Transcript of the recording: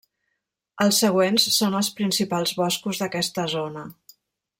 Els següents són els principals boscos d'aquesta zona.